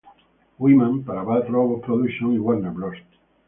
Wyman para Bad Robot Productions y Warner Bros.